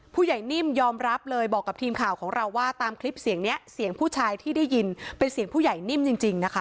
นิ่มยอมรับเลยบอกกับทีมข่าวของเราว่าตามคลิปเสียงนี้เสียงผู้ชายที่ได้ยินเป็นเสียงผู้ใหญ่นิ่มจริงนะคะ